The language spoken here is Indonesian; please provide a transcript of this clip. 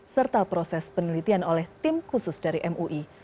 serta proses penelitian oleh tim khusus dari mui